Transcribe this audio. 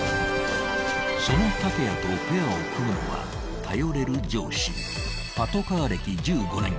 ［その竹谷とペアを組むのは頼れる上司パトカー歴１５年